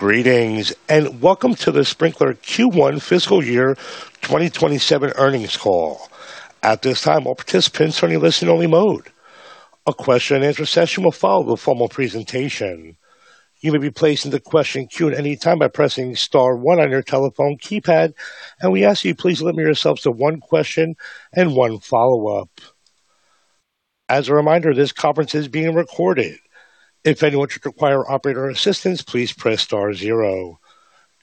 Greetings, and welcome to the Sprinklr Q1 fiscal year 2027 earnings call. At this time, all participants are in listen-only mode. A question-and-answer session will follow the formal presentation. You may be placed in the question queue at any time by pressing star one on your telephone keypad, we ask you please limit yourselves to one question and one follow-up. As a reminder, this conference is being recorded. If anyone should require operator assistance, please press star zero.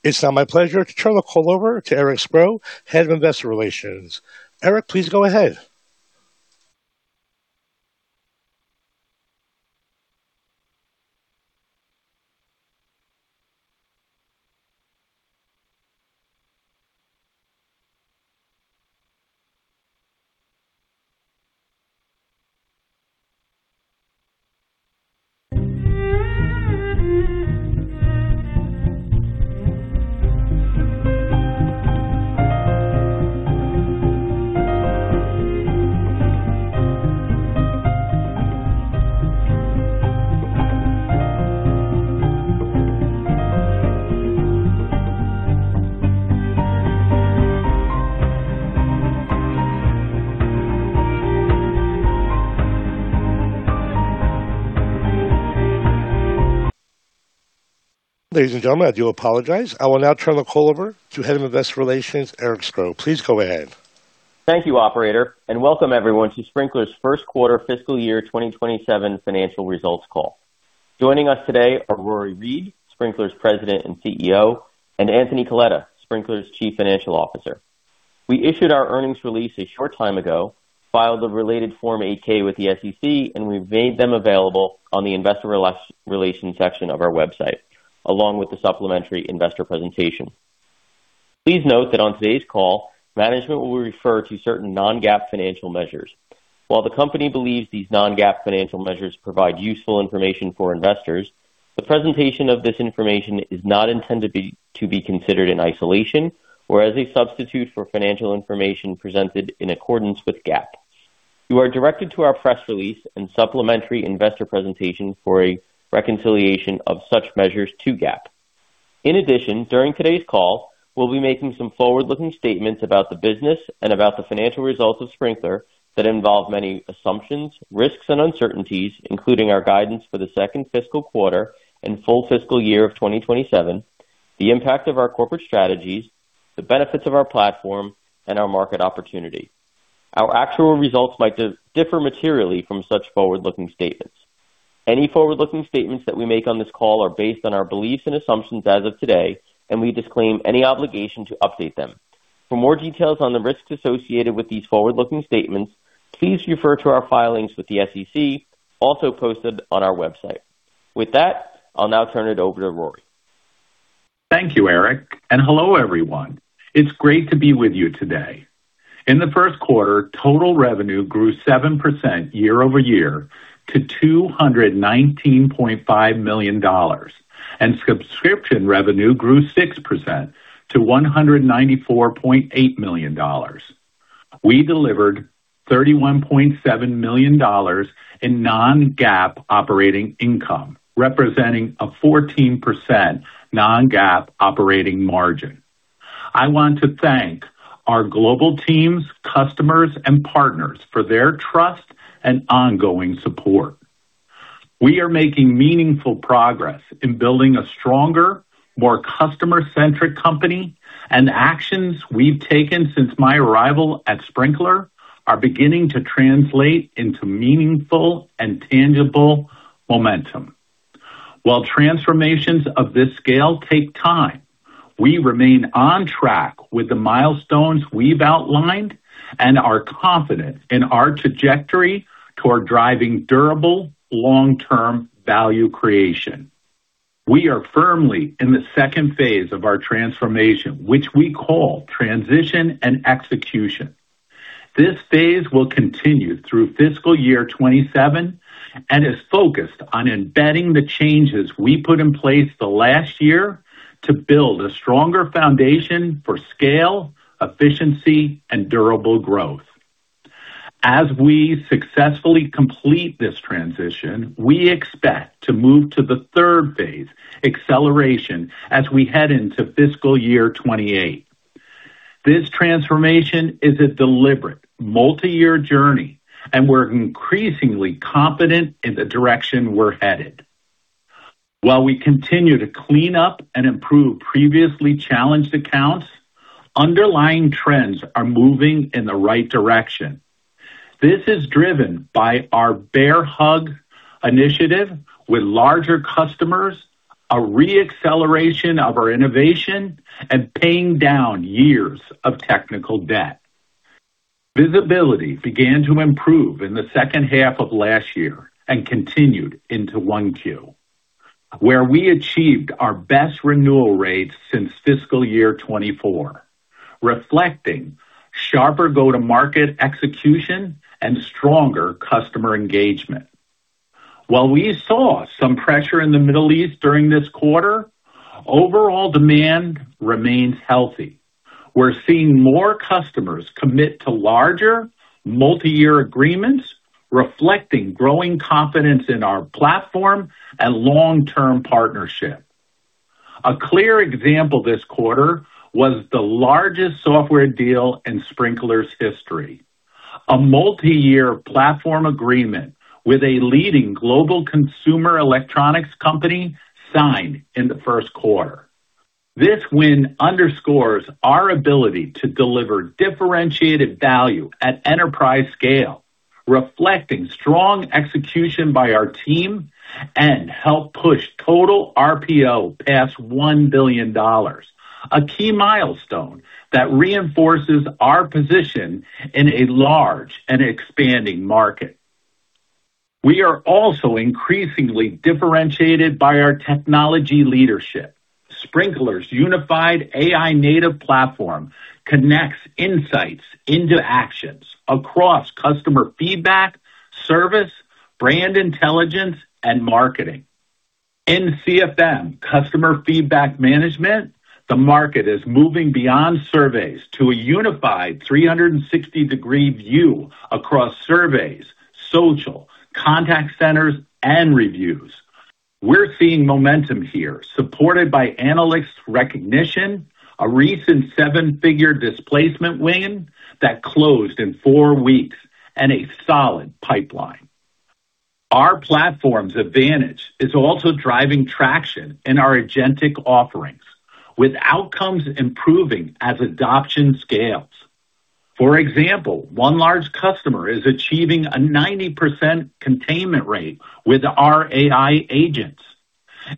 It's now my pleasure to turn the call over to Eric Scro, Head of Investor Relations. Eric, please go ahead. Ladies and gentlemen, I do apologize. I will now turn the call over to Head of Investor Relations, Eric Scro. Please go ahead. Thank you, operator, and welcome everyone to Sprinklr's first quarter fiscal year 2027 financial results call. Joining us today are Rory Read, Sprinklr's President and CEO, and Anthony Coletta, Sprinklr's Chief Financial Officer. We issued our earnings release a short time ago, filed the related Form 8-K with the SEC, and we've made them available on the investor relations section of our website, along with the supplementary investor presentation. Please note that on today's call, management will refer to certain non-GAAP financial measures. While the company believes these non-GAAP financial measures provide useful information for investors, the presentation of this information is not intended to be considered in isolation or as a substitute for financial information presented in accordance with GAAP. You are directed to our press release and supplementary investor presentation for a reconciliation of such measures to GAAP. In addition, during today's call, we'll be making some forward-looking statements about the business and about the financial results of Sprinklr that involve many assumptions, risks, and uncertainties, including our guidance for the second fiscal quarter and full fiscal year of 2027, the impact of our corporate strategies, the benefits of our platform, and our market opportunity. Our actual results might differ materially from such forward-looking statements. Any forward-looking statements that we make on this call are based on our beliefs and assumptions as of today. We disclaim any obligation to update them. For more details on the risks associated with these forward-looking statements, please refer to our filings with the SEC, also posted on our website. With that, I'll now turn it over to Rory. Thank you, Eric, and hello, everyone. It's great to be with you today. In the first quarter, total revenue grew 7% year-over-year to $219.5 million, and subscription revenue grew 6% to $194.8 million. We delivered $31.7 million in non-GAAP operating income, representing a 14% non-GAAP operating margin. I want to thank our global teams, customers, and partners for their trust and ongoing support. We are making meaningful progress in building a stronger, more customer-centric company, and actions we've taken since my arrival at Sprinklr are beginning to translate into meaningful and tangible momentum. While transformations of this scale take time, we remain on track with the milestones we've outlined and are confident in our trajectory toward driving durable long-term value creation. We are firmly in the second phase of our transformation, which we call transition and execution. This phase will continue through fiscal year 2027 and is focused on embedding the changes we put in place the last year to build a stronger foundation for scale, efficiency, and durable growth. As we successfully complete this transition, we expect to move to the third phase, acceleration, as we head into fiscal year 2028. This transformation is a deliberate multi-year journey, and we're increasingly confident in the direction we're headed. While we continue to clean up and improve previously challenged accounts, underlying trends are moving in the right direction. This is driven by our Project Bear Hug initiative with larger customers, a re-acceleration of our innovation, and paying down years of technical debt. Visibility began to improve in the second half of last year and continued into 1Q, where we achieved our best renewal rates since fiscal year 2024, reflecting sharper go-to-market execution and stronger customer engagement. While we saw some pressure in the Middle East during this quarter, overall demand remains healthy. We're seeing more customers commit to larger, multi-year agreements, reflecting growing confidence in our platform and long-term partnership. A clear example this quarter was the largest software deal in Sprinklr's history. A multi-year platform agreement with a leading global consumer electronics company signed in the first quarter. This win underscores our ability to deliver differentiated value at enterprise scale, reflecting strong execution by our team, and help push Total RPO past $1 billion, a key milestone that reinforces our position in a large and expanding market. We are also increasingly differentiated by our technology leadership. Sprinklr's unified AI-native platform connects insights into actions across customer feedback, service, brand intelligence, and marketing. In CFM, customer feedback management, the market is moving beyond surveys to a unified 360-degree view across surveys, social, contact centers, and reviews. We're seeing momentum here supported by analysts' recognition, a recent seven-figure displacement win that closed in four weeks, and a solid pipeline. Our platform's advantage is also driving traction in our agentic offerings, with outcomes improving as adoption scales. For example, one large customer is achieving a 90% containment rate with our AI agents,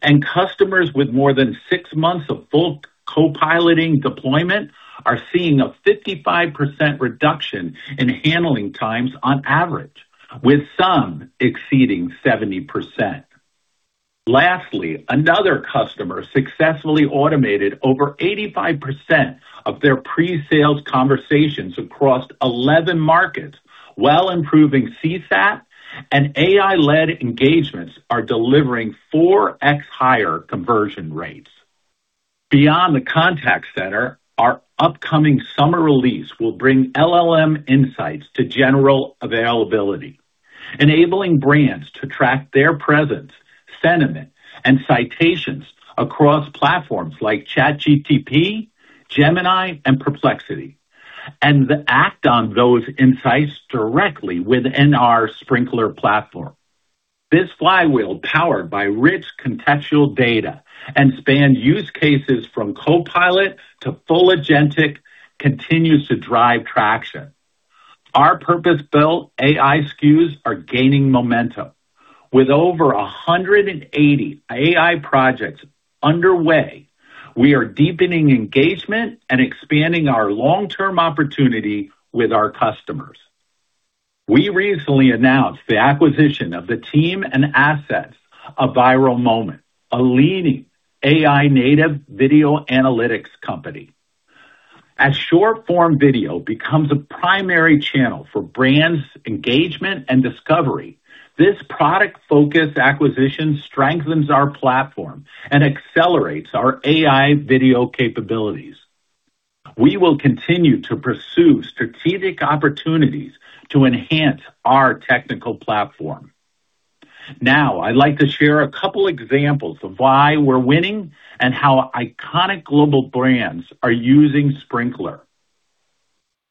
and customers with more than six months of full co-piloting deployment are seeing a 55% reduction in handling times on average, with some exceeding 70%. Lastly, another customer successfully automated over 85% of their pre-sales conversations across 11 markets, while improving CSAT, and AI-led engagements are delivering 4X higher conversion rates. Beyond the contact center, our upcoming summer release will bring LLM Insights to general availability, enabling brands to track their presence, sentiment, and citations across platforms like ChatGPT, Gemini, and Perplexity, and then act on those insights directly within our Sprinklr platform. This flywheel, powered by rich contextual data and spanned use cases from Copilot to full agentic, continues to drive traction. Our purpose-built AI SKUs are gaining momentum. With over 180 AI projects underway, we are deepening engagement and expanding our long-term opportunity with our customers. We recently announced the acquisition of the team and assets of ViralMoment, a leading AI-native video analytics company. As short-form video becomes a primary channel for brands' engagement and discovery, this product-focused acquisition strengthens our platform and accelerates our AI video capabilities. We will continue to pursue strategic opportunities to enhance our technical platform. Now, I'd like to share a couple examples of why we're winning and how iconic global brands are using Sprinklr.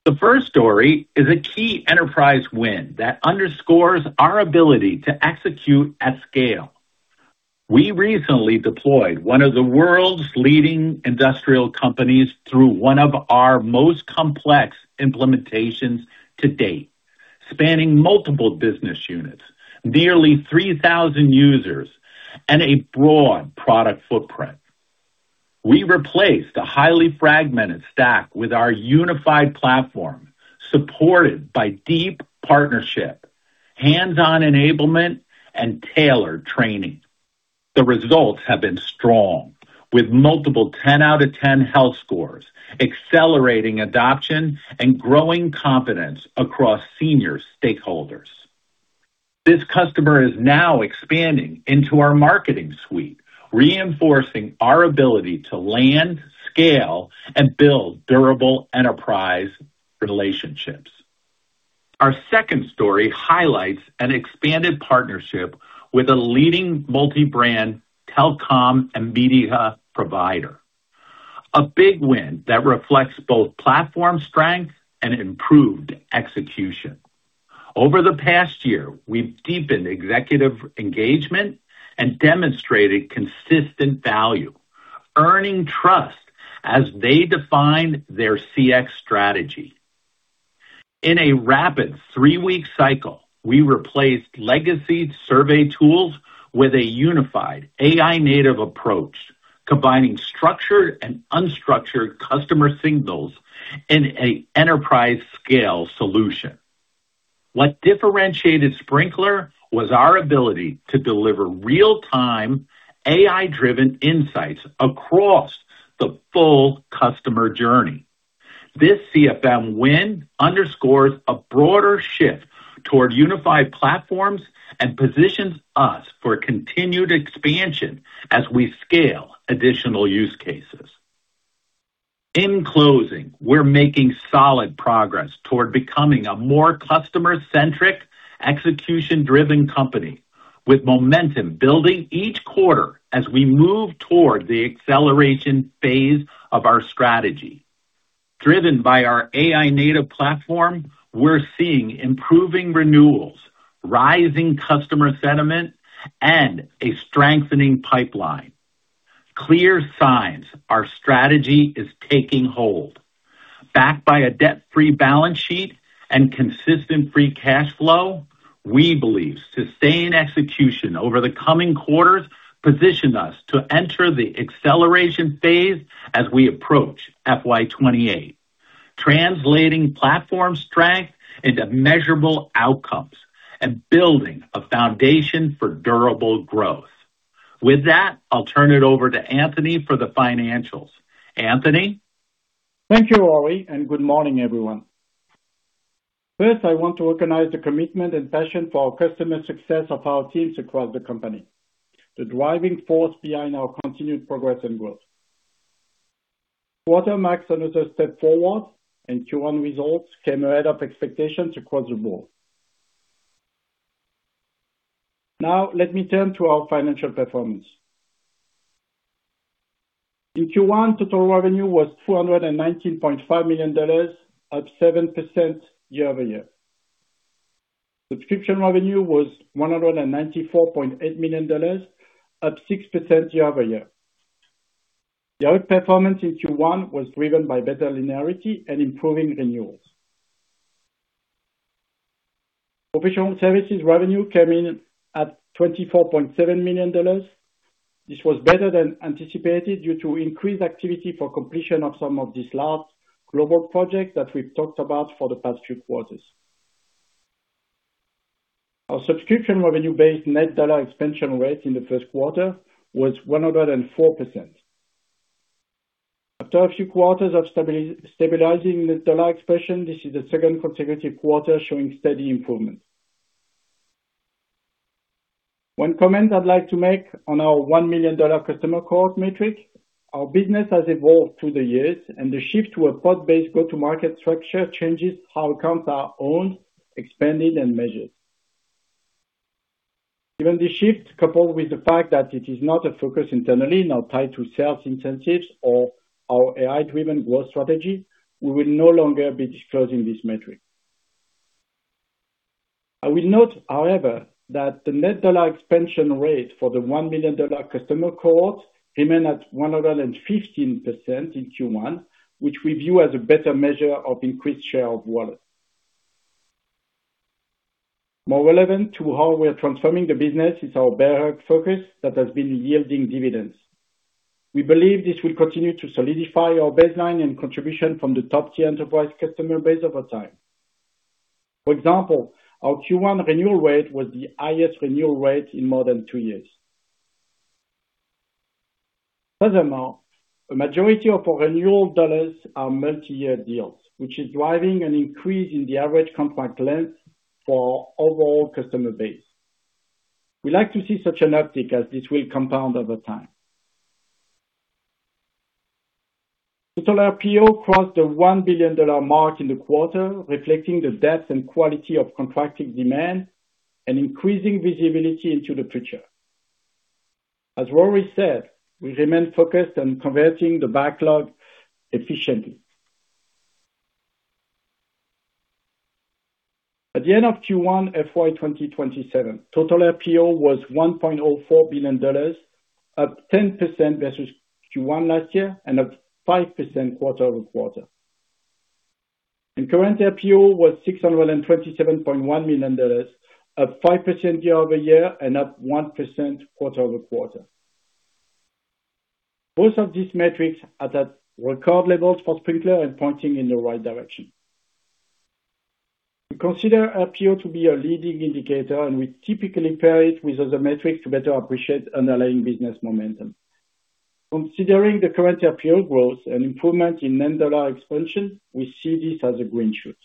The first story is a key enterprise win that underscores our ability to execute at scale. We recently deployed one of the world's leading industrial companies through one of our most complex implementations to date, spanning multiple business units, nearly 3,000 users, and a broad product footprint. We replaced a highly fragmented stack with our unified platform, supported by deep partnership, hands-on enablement, and tailored training. The results have been strong, with multiple 10 out of 10 health scores, accelerating adoption, and growing confidence across senior stakeholders. This customer is now expanding into our marketing suite, reinforcing our ability to land, scale, and build durable enterprise relationships. Our second story highlights an expanded partnership with a leading multi-brand telecom and media provider, a big win that reflects both platform strength and improved execution. Over the past year, we've deepened executive engagement and demonstrated consistent value, earning trust as they defined their CX strategy. In a rapid three-week cycle, we replaced legacy survey tools with a unified AI-native approach, combining structured and unstructured customer signals in an enterprise-scale solution. What differentiated Sprinklr was our ability to deliver real-time, AI-driven insights across the full customer journey. This CFM win underscores a broader shift toward unified platforms and positions us for continued expansion as we scale additional use cases. In closing, we're making solid progress toward becoming a more customer-centric, execution-driven company, with momentum building each quarter as we move toward the acceleration phase of our strategy. Driven by our AI-native platform, we're seeing improving renewals, rising customer sentiment, and a strengthening pipeline. Clear signs our strategy is taking hold. Backed by a debt-free balance sheet and consistent free cash flow, we believe sustained execution over the coming quarters position us to enter the acceleration phase as we approach FY28, translating platform strength into measurable outcomes and building a foundation for durable growth. With that, I'll turn it over to Anthony for the financials. Anthony? Thank you, Rory, and good morning, everyone. First, I want to recognize the commitment and passion for our customer success of our teams across the company, the driving force behind our continued progress and growth. The quarter marks another step forward. Q1 results came ahead of expectations across the board. Let me turn to our financial performance. In Q1, total revenue was $419.5 million, up 7% year-over-year. Subscription revenue was $194.8 million, up 6% year-over-year. The outperformance in Q1 was driven by better linearity and improving renewals. Professional services revenue came in at $24.7 million. This was better than anticipated due to increased activity for completion of some of these large global projects that we've talked about for the past few quarters. Our subscription revenue-based net dollar expansion rate in the first quarter was 104%. After a few quarters of stabilizing net dollar expansion, this is the second consecutive quarter showing steady improvement. One comment I'd like to make on our $1 million customer cohort metric, our business has evolved through the years, and the shift to a product-based go-to-market structure changes how accounts are owned, expanded, and measured. Given this shift, coupled with the fact that it is not a focus internally, nor tied to sales incentives or our AI-driven growth strategy, we will no longer be disclosing this metric. I will note, however, that the net dollar expansion rate for the $1 million customer cohort remained at 115% in Q1, which we view as a better measure of increased share of wallet. More relevant to how we are transforming the business is our Project Bear Hug that has been yielding dividends. We believe this will continue to solidify our baseline and contribution from the top-tier enterprise customer base over time. For example, our Q1 renewal rate was the highest renewal rate in more than two years. A majority of our renewal dollars are multi-year deals, which is driving an increase in the average contract length for our overall customer base. We like to see such an uptick, as this will compound over time. Total RPO crossed the $1 billion mark in the quarter, reflecting the depth and quality of contracting demand and increasing visibility into the future. As Rory said, we remain focused on converting the backlog efficiently. At the end of Q1 FY 2027, total RPO was $1.04 billion, up 10% versus Q1 last year, and up 5% quarter-over-quarter. Current RPO was $627.1 million, up 5% year-over-year and up 1% quarter-over-quarter. Both of these metrics are at record levels for Sprinklr and pointing in the right direction. We consider RPO to be a leading indicator, and we typically pair it with other metrics to better appreciate underlying business momentum. Considering the current RPO growth and improvement in net dollar expansion, we see this as a green shoot.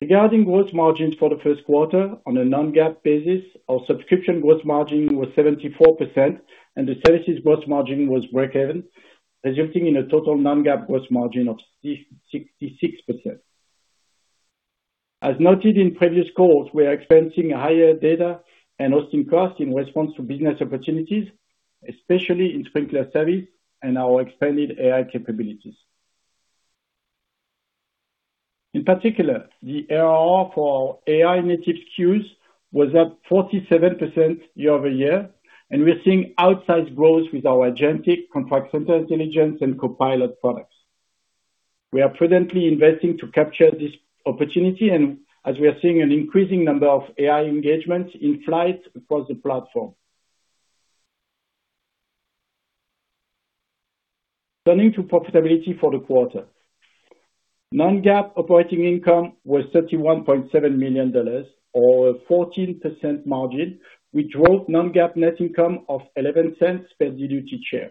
Regarding growth margins for the first quarter on a non-GAAP basis, our subscription growth margin was 74%, and the services growth margin was breakeven, resulting in a total non-GAAP growth margin of 66%. As noted in previous calls, we are experiencing higher data and hosting costs in response to business opportunities, especially in Sprinklr Service and our expanded AI capabilities. In particular, the ARR for our AI-native SKUs was up 47% year-over-year, and we are seeing outsized growth with our agentic contact center intelligence and Copilot products. We are prudently investing to capture this opportunity, and as we are seeing an increasing number of AI engagements in flight across the platform. Turning to profitability for the quarter. Non-GAAP operating income was $31.7 million, or a 14% margin, which drove non-GAAP net income of $0.11 per diluted share.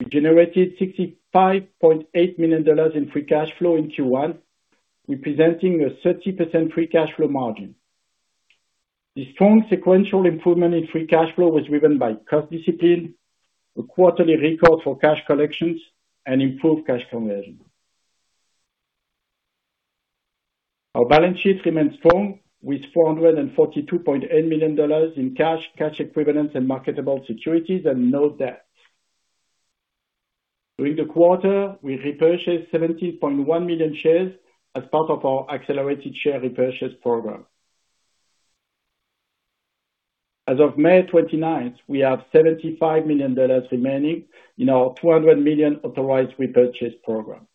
We generated $65.8 million in free cash flow in Q1, representing a 30% free cash flow margin. The strong sequential improvement in free cash flow was driven by cost discipline, a quarterly record for cash collections, and improved cash conversion. Our balance sheet remains strong, with $442.8 million in cash equivalents, and marketable securities and no debt. During the quarter, we repurchased 70.1 million shares as part of our Accelerated Share Repurchase Program. As of May 29th, we have $75 million remaining in our $200 million Authorized Repurchase Program.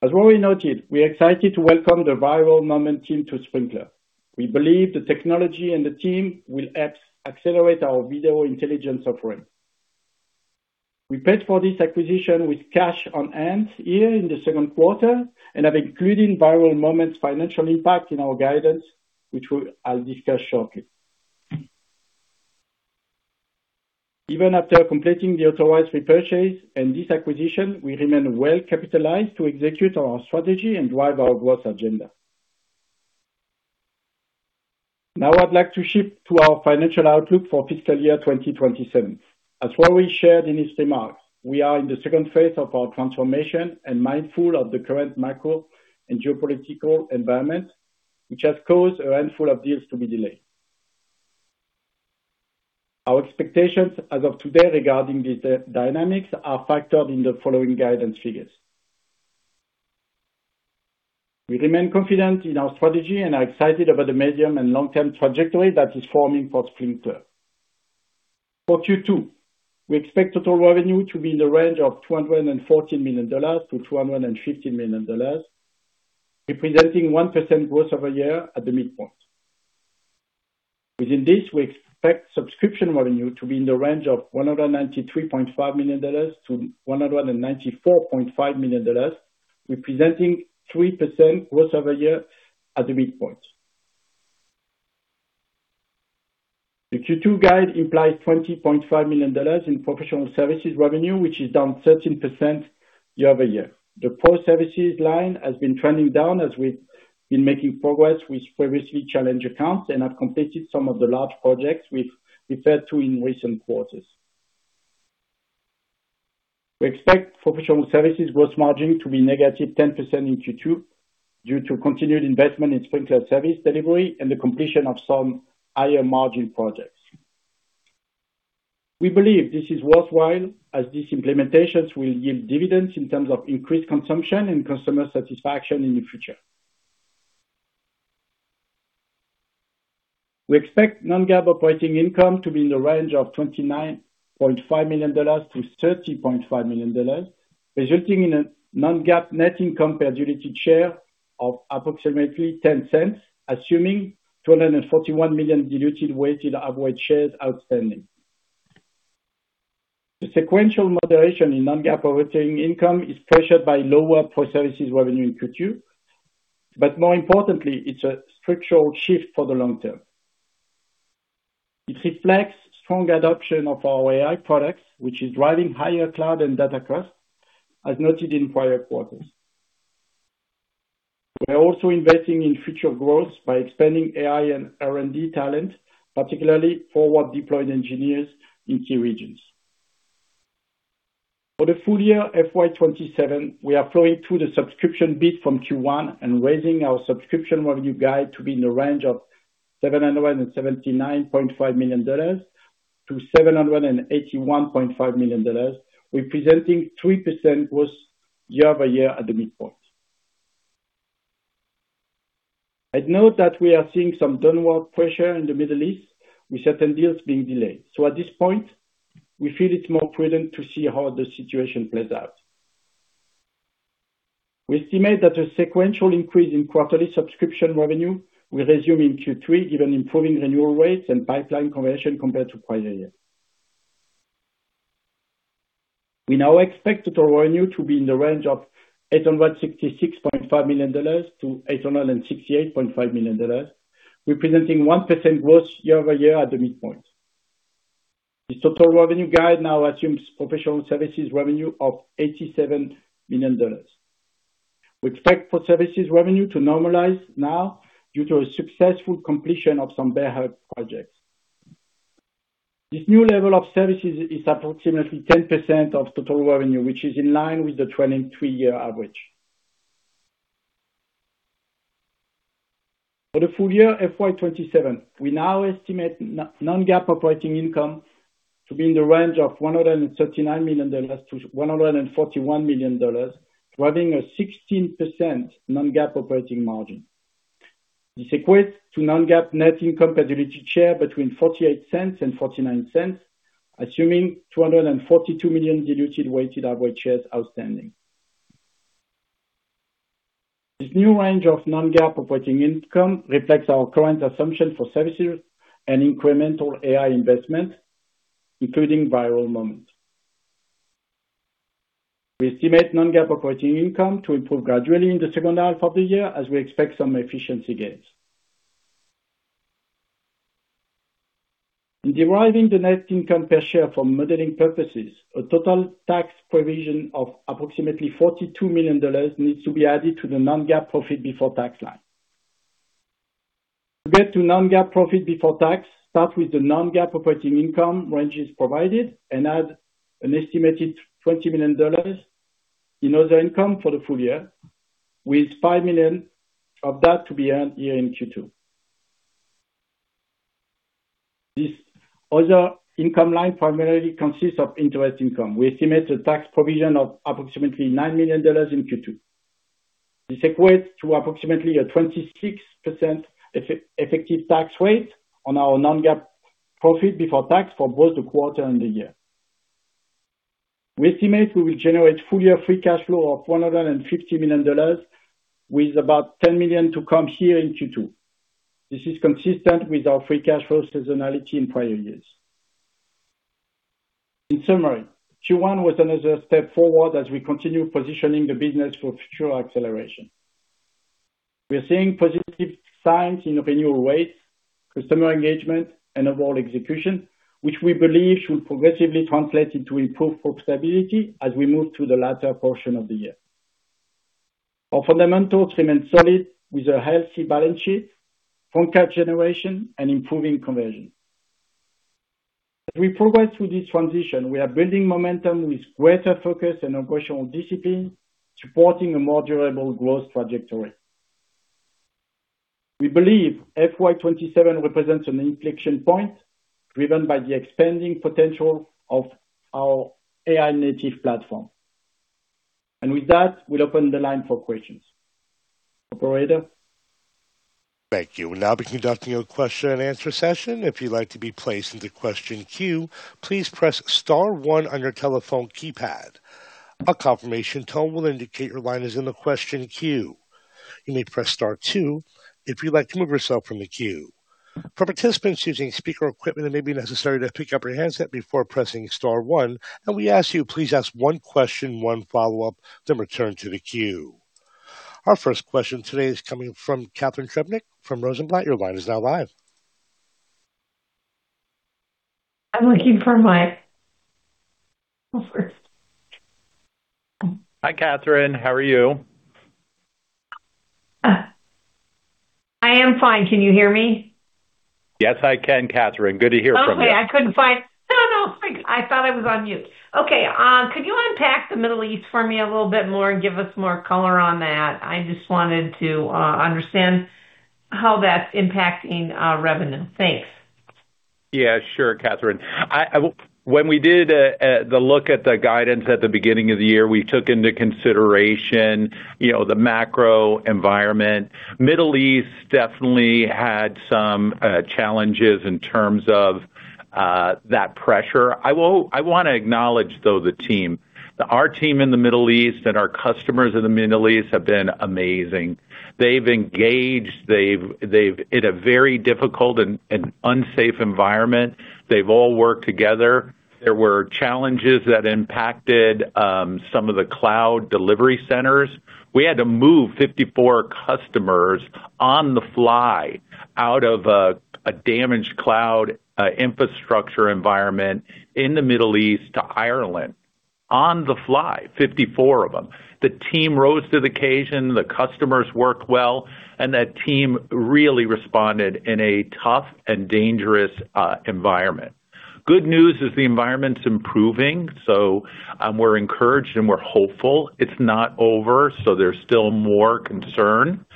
As Rory noted, we're excited to welcome the ViralMoment team to Sprinklr. We believe the technology and the team will help accelerate our video intelligence offering. We paid for this acquisition with cash on-hand here in the second quarter and have included ViralMoment's financial impact in our guidance, which I'll discuss shortly. Even after completing the authorized repurchase and this acquisition, we remain well-capitalized to execute on our strategy and drive our growth agenda. Now I'd like to shift to our financial outlook for fiscal year 2027. As Rory shared in his remarks, we are in the second phase of our transformation and mindful of the current macro and geopolitical environment, which has caused a handful of deals to be delayed. Our expectations as of today regarding these dynamics are factored in the following guidance figures. We remain confident in our strategy and are excited about the medium and long-term trajectory that is forming for Sprinklr. For Q2, we expect total revenue to be in the range of $214 million-$215 million, representing 1% growth year-over-year at the midpoint. Within this, we expect subscription revenue to be in the range of $193.5 million-$194.5 million, representing 3% growth year-over-year at the midpoint. The Q2 guide implies $20.5 million in professional services revenue, which is down 13% year-over-year. The pro services line has been trending down as we've been making progress with previously challenged accounts and have completed some of the large projects we've referred to in recent quarters. We expect professional services gross margin to be -10% in Q2 due to continued investment in Sprinklr Service delivery and the completion of some higher margin projects. We believe this is worthwhile, as these implementations will yield dividends in terms of increased consumption and customer satisfaction in the future. We expect non-GAAP operating income to be in the range of $29.5 million-$30.5 million, resulting in a non-GAAP net income per diluted share of approximately $0.10, assuming 241 million diluted weighted average shares outstanding. The sequential moderation in non-GAAP operating income is pressured by lower pro services revenue in Q2. More importantly, it's a structural shift for the long term. It reflects strong adoption of our AI products, which is driving higher cloud and data costs, as noted in prior quarters. We are also investing in future growth by expanding AI and R&D talent, particularly forward-deployed engineers in key regions. For the full year FY 2027, we are flowing through the subscription bit from Q1 and raising our subscription revenue guide to be in the range of $779.5 million-$781.5 million, representing 3% growth year-over-year at the midpoint. I'd note that we are seeing some downward pressure in the Middle East with certain deals being delayed. At this point, we feel it's more prudent to see how the situation plays out. We estimate that a sequential increase in quarterly subscription revenue will resume in Q3, given improving renewal rates and pipeline conversion compared to prior year. We now expect total revenue to be in the range of $866.5 million-$868.5 million, representing 1% growth year-over-year at the midpoint. This total revenue guide now assumes professional services revenue of $87 million. We expect pro services revenue to normalize now due to a successful completion of some Bear Hug projects. This new level of services is approximately 10% of total revenue, which is in line with the 23-year average. For the full year FY 2027, we now estimate non-GAAP operating income to be in the range of $139 million-$141 million, driving a 16% non-GAAP operating margin. This equates to non-GAAP net income per diluted share between $0.48 and $0.49, assuming 242 million diluted weighted average shares outstanding. This new range of non-GAAP operating income reflects our current assumption for services and incremental AI investment, including ViralMoment. We estimate non-GAAP operating income to improve gradually in the second half of the year as we expect some efficiency gains. In deriving the net income per share for modeling purposes, a total tax provision of approximately $42 million needs to be added to the non-GAAP profit before tax line. To get to non-GAAP profit before tax, start with the non-GAAP operating income ranges provided and add an estimated $20 million in other income for the full year, with $5 million of that to be earned here in Q2. This other income line primarily consists of interest income. We estimate a tax provision of approximately $9 million in Q2. This equates to approximately a 26% effective tax rate on our non-GAAP profit before tax for both the quarter and the year. We estimate we will generate full year free cash flow of $450 million, with about $10 million to come here in Q2. This is consistent with our free cash flow seasonality in prior years. In summary, Q1 was another step forward as we continue positioning the business for future acceleration. We are seeing positive signs in renewal rates, customer engagement, and overall execution, which we believe should progressively translate into improved profitability as we move to the latter portion of the year. Our fundamentals remain solid, with a healthy balance sheet, strong cash generation, and improving conversion. As we progress through this transition, we are building momentum with greater focus and operational discipline, supporting a more durable growth trajectory. We believe FY 2027 represents an inflection point driven by the expanding potential of our AI-native platform. And with that, we'll open the line for questions. Operator? Thank you. We'll now be conducting a question and answer session. If you'd like to be placed into question queue, please press star one on your telephone keypad. A confirmation tone will indicate your line is in the question queue. You may press star two if you'd like to remove yourself from the queue. For participants using speaker equipment, it may be necessary to pick up your handset before pressing star one, and we ask you please ask one question, one follow-up, then return to the queue. Our first question today is coming from Catharine Trebnick from Rosenblatt. Your line is now live. I'm looking for my. Oh, sorry. Hi, Catharine. How are you? I am fine. Can you hear me? Yes, I can, Catharine. Good to hear from you. Okay. I couldn't find No, no. I thought I was on mute. Okay. Could you unpack the Middle East for me a little bit more and give us more color on that? I just wanted to understand how that's impacting our revenue. Thanks. Yeah, sure, Catharine. When we did the look at the guidance at the beginning of the year, we took into consideration the macro environment. Middle East definitely had some challenges in terms of that pressure. I want to acknowledge, though, the team. Our team in the Middle East and our customers in the Middle East have been amazing. They've engaged in a very difficult and unsafe environment. They've all worked together. There were challenges that impacted some of the cloud delivery centers. We had to move 54 customers on the fly out of a damaged cloud infrastructure environment in the Middle East to Ireland. On the fly, 54 of them. The team rose to the occasion, the customers worked well, and that team really responded in a tough and dangerous environment. Good news is the environment's improving, so we're encouraged and we're hopeful. It's not over. There's still more concern.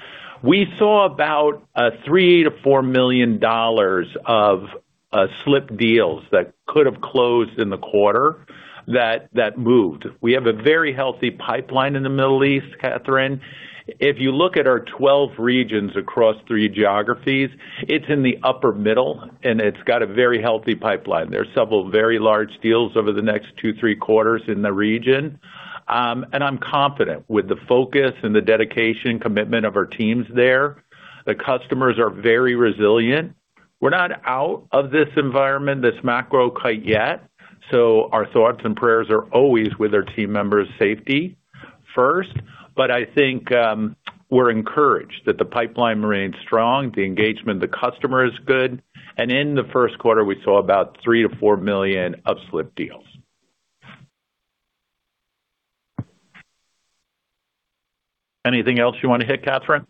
We saw about $3 million-$4 million of slipped deals that could have closed in the quarter that moved. We have a very healthy pipeline in the Middle East, Catharine. If you look at our 12 regions across three geographies, it's in the upper middle, and it's got a very healthy pipeline. There are several very large deals over the next two, three quarters in the region. I'm confident with the focus and the dedication, commitment of our teams there. The customers are very resilient. We're not out of this environment, this macro quite yet. Our thoughts and prayers are always with our team members' safety first. I think we're encouraged that the pipeline remains strong, the engagement of the customer is good. In the first quarter, we saw about $3 million-$4 million of slipped deals. Anything else you want to hit, Catharine?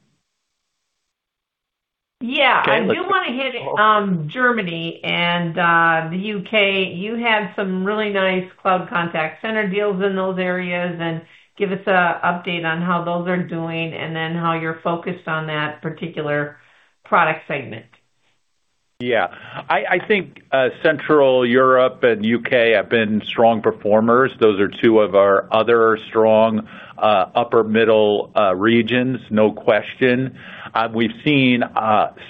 Yeah. I do want to hit Germany and the U.K. You had some really nice cloud contact center deals in those areas, and give us an update on how those are doing and then how you're focused on that particular product segment. Yeah. I think Central Europe and U.K. have been strong performers. Those are two of our other strong upper middle regions, no question. We've seen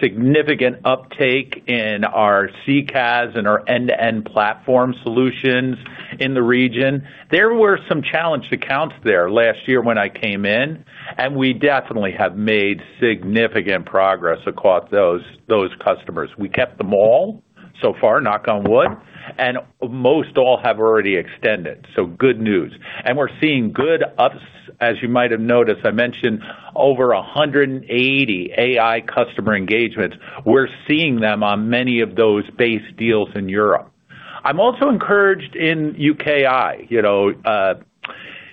significant uptake in our CCaaS and our end-to-end platform solutions in the region. There were some challenged accounts there last year when I came in. We definitely have made significant progress across those customers. We kept them all. So far, knock on wood. Most all have already extended. Good news. We're seeing good ups. As you might have noticed, I mentioned over 180 AI customer engagements. We're seeing them on many of those base deals in Europe. I'm also encouraged in UKI.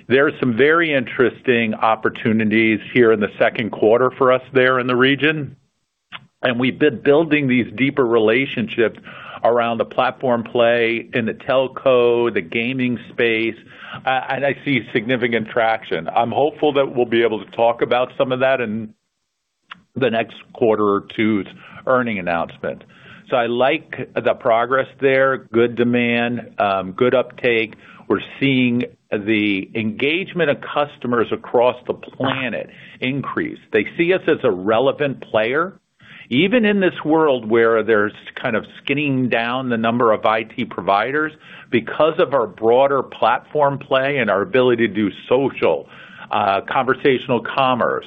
There are some very interesting opportunities here in the second quarter for us there in the region, and we've been building these deeper relationships around the platform play in the telco, the gaming space, and I see significant traction. I'm hopeful that we'll be able to talk about some of that in the next quarter or two's earning announcement. I like the progress there. Good demand, good uptake. We're seeing the engagement of customers across the planet increase. They see us as a relevant player, even in this world where there's kind of skinning down the number of IT providers, because of our broader platform play and our ability to do social, conversational commerce,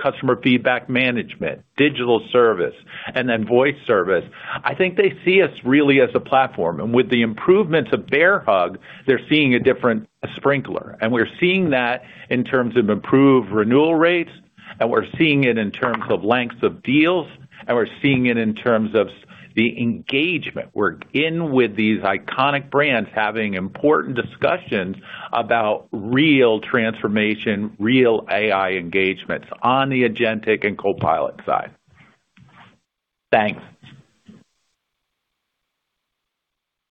customer feedback management, digital service, and then voice service. I think they see us really as a platform. With the improvements of Bear Hug, they're seeing a different Sprinklr, and we're seeing that in terms of improved renewal rates, and we're seeing it in terms of lengths of deals, and we're seeing it in terms of the engagement. We're in with these iconic brands, having important discussions about real transformation, real AI engagements on the agentic and Copilot side. Thanks.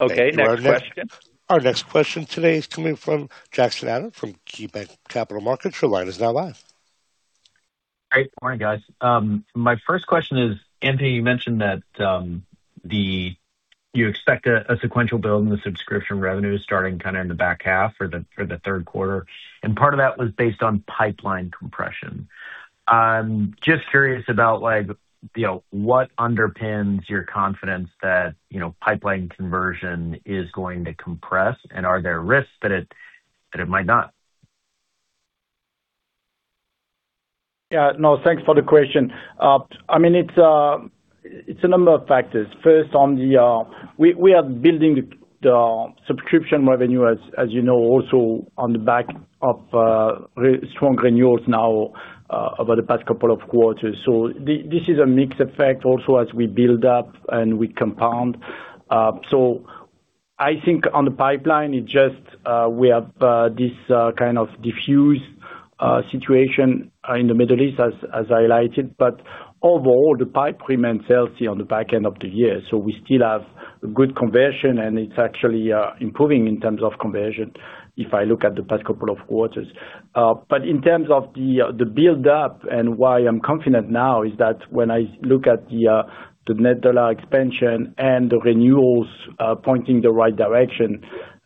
Okay, next question. Our next question today is coming from Jackson Ader from KeyBanc Capital Markets. Your line is now live. Great morning, guys. My first question is, Anthony, you mentioned that you expect a sequential build in the subscription revenue starting kind of in the back half or the third quarter, and part of that was based on pipeline compression. Just curious about what underpins your confidence that pipeline conversion is going to compress, and are there risks that it might not? Yeah, no, thanks for the question. It's a number of factors. First, we are building the subscription revenue, as you know, also on the back of strong renewals now over the past couple of quarters. This is a mixed effect also as we build up and we compound. I think on the pipeline, we have this kind of diffuse situation in the Middle East, as I highlighted. Overall, the pipe remains healthy on the back end of the year, we still have good conversion, and it's actually improving in terms of conversion if I look at the past couple of quarters. In terms of the build-up and why I'm confident now is that when I look at the net dollar expansion and the renewals pointing the right direction,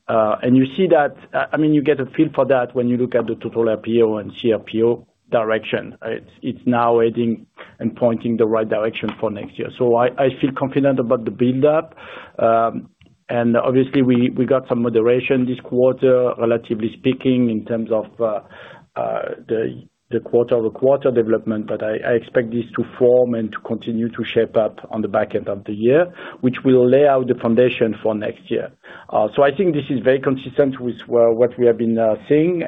you get a feel for that when you look at the Total RPO and cRPO direction. It's now adding and pointing the right direction for next year. I feel confident about the build-up. Obviously, we got some moderation this quarter, relatively speaking, in terms of the quarter-over-quarter development. I expect this to form and to continue to shape up on the back end of the year, which will lay out the foundation for next year. I think this is very consistent with what we have been seeing.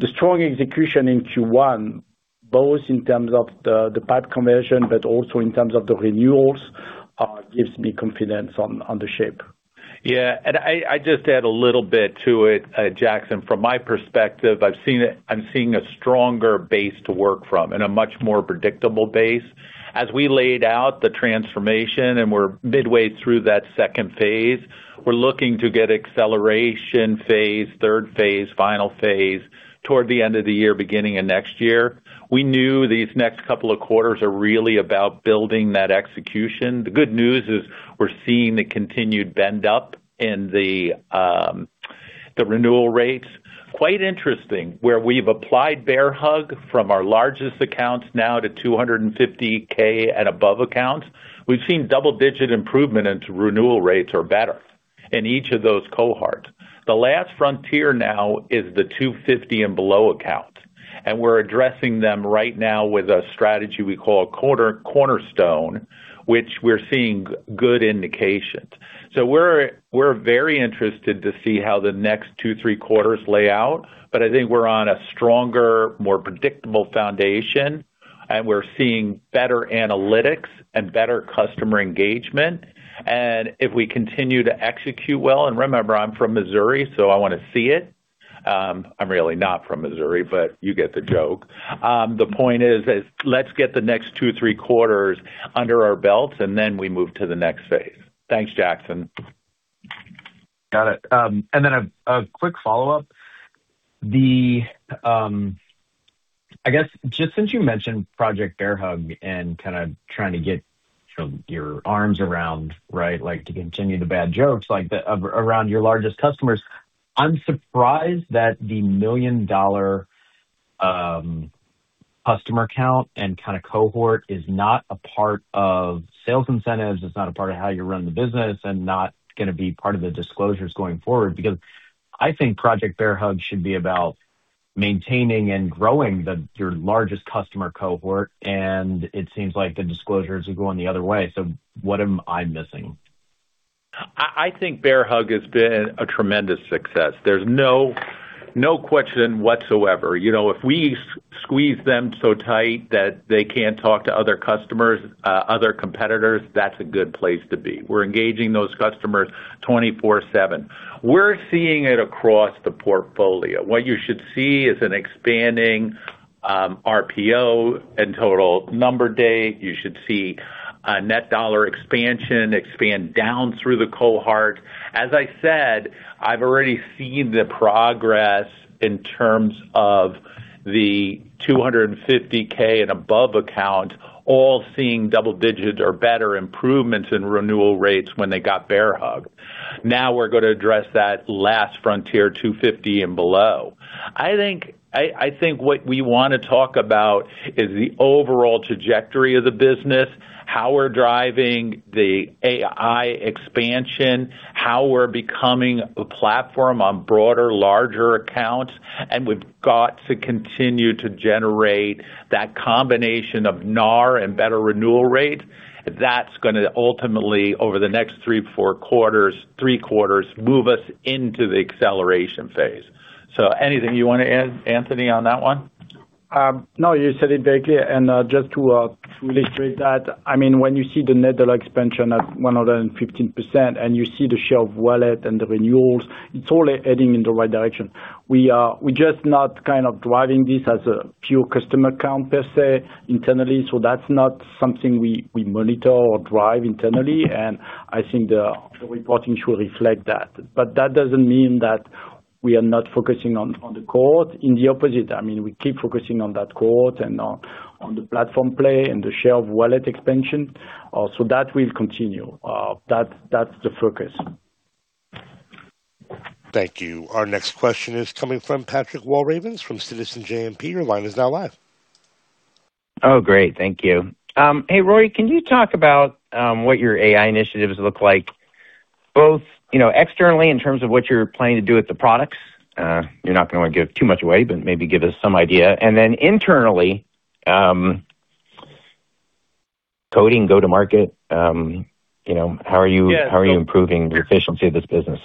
The strong execution in Q1, both in terms of the pipe conversion, but also in terms of the renewals gives me confidence on the shape. Yeah. I just add a little bit to it, Jackson. From my perspective, I'm seeing a stronger base to work from and a much more predictable base. As we laid out the transformation, and we're midway through that second phase, we're looking to get acceleration phase, third phase, final phase toward the end of the year, beginning of next year. We knew these next couple of quarters are really about building that execution. The good news is we're seeing the continued bend up in the renewal rates. Quite interesting, where we've applied Bear Hug from our largest accounts now to $250K and above accounts, we've seen double-digit improvement into renewal rates or better in each of those cohorts. The last frontier now is the $250 and below accounts, and we're addressing them right now with a strategy we call Cornerstone, which we're seeing good indications. We're very interested to see how the next two, three quarters lay out, but I think we're on a stronger, more predictable foundation, and we're seeing better analytics and better customer engagement. If we continue to execute well, and remember, I'm from Missouri, so I want to see it. I'm really not from Missouri, you get the joke. The point is, let's get the next two, three quarters under our belts, and then we move to the next phase. Thanks, Jackson. Got it. Then a quick follow-up. I guess, just since you mentioned Project Bear Hug and kind of trying to get your arms around, right, to continue the bad jokes, around your largest customers, I'm surprised that the million-dollar customer count and kind of cohort is not a part of sales incentives, it's not a part of how you run the business and not going to be part of the disclosures going forward, because I think Project Bear Hug should be about maintaining and growing your largest customer cohort, and it seems like the disclosures are going the other way, so what am I missing? I think Project Bear Hug has been a tremendous success. There's no question whatsoever. If we squeeze them so tight that they can't talk to other competitors, that's a good place to be. We're engaging those customers 24/7. We're seeing it across the portfolio. What you should see is an expanding RPO and Total RPO. You should see a net dollar expansion expand down through the cohort. As I said, I've already seen the progress in terms of the 250,000 and above account all seeing double-digits or better improvements in renewal rates when they got Project Bear Hugged. Now we're going to address that last frontier, 250,000 and below. I think what we want to talk about is the overall trajectory of the business, how we're driving the AI expansion, how we're becoming a platform on broader, larger accounts, and we've got to continue to generate that combination of NAR and better renewal rate. That's going to ultimately, over the next three quarters, move us into the acceleration phase. Anything you want to add, Anthony, on that one? No, you said it very clear, and just to illustrate that, when you see the net dollar expansion at 115% and you see the share of wallet and the renewals, it's all heading in the right direction. We're just not driving this as a pure customer count per se internally, so that's not something we monitor or drive internally, and I think the reporting should reflect that. That doesn't mean that we are not focusing on the cohort. In the opposite, we keep focusing on that cohort and on the platform play and the share of wallet expansion. That will continue. That's the focus. Thank you. Our next question is coming from Patrick Walravens from Citizens JMP. Your line is now live. Oh, great. Thank you. Hey, Rory, can you talk about what your AI initiatives look like, both externally in terms of what you're planning to do with the products? You're not going to want to give too much away, but maybe give us some idea. Then internally, coding go-to-market, how are you improving the efficiency of this business?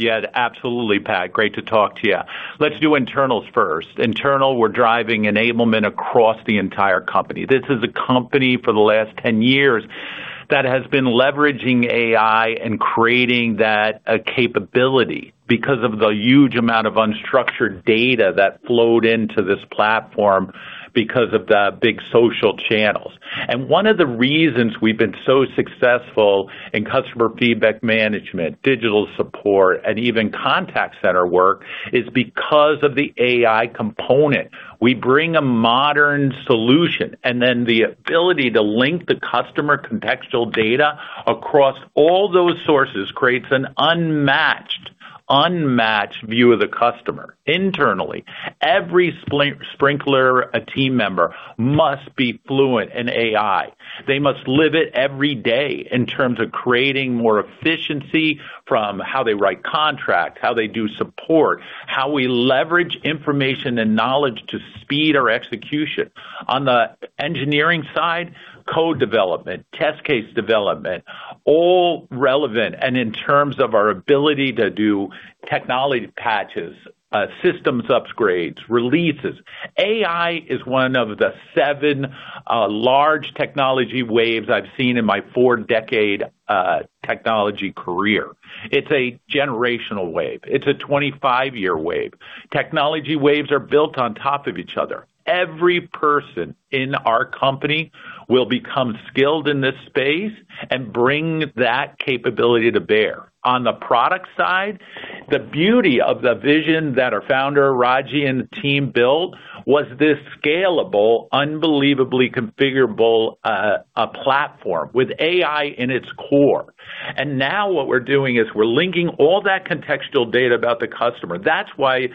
Yeah, absolutely, Pat. Great to talk to you. Let's do internals first. Internal, we're driving enablement across the entire company. This is a company for the last 10 years that has been leveraging AI and creating that capability because of the huge amount of unstructured data that flowed into this platform because of the big social channels. One of the reasons we've been so successful in customer feedback management, digital support, and even contact center work is because of the AI component. We bring a modern solution, and then the ability to link the customer contextual data across all those sources creates an unmatched view of the customer internally. Every Sprinklr team member must be fluent in AI. They must live it every day in terms of creating more efficiency from how they write contract, how they do support, how we leverage information and knowledge to speed our execution. On the engineering side, code development, test case development, all relevant. In terms of our ability to do technology patches, systems upgrades, releases. AI is one of the seven large technology waves I've seen in my four-decade technology career. It's a generational wave. It's a 25-year wave. Technology waves are built on top of each other. Every person in our company will become skilled in this space and bring that capability to bear. On the product side, the beauty of the vision that our founder, Ragy, and the team built was this scalable, unbelievably configurable platform with AI in its core. Now what we're doing is we're linking all that contextual data about the customer. That's why